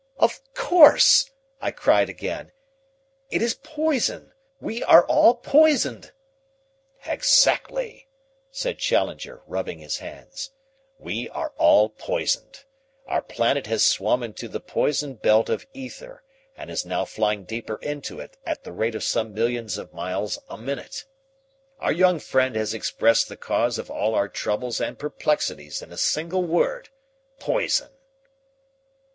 "Of course," I cried again. "It is poison. We are all poisoned." "Exactly," said Challenger, rubbing his hands, "we are all poisoned. Our planet has swum into the poison belt of ether, and is now flying deeper into it at the rate of some millions of miles a minute. Our young friend has expressed the cause of all our troubles and perplexities in a single word, 'poison.'"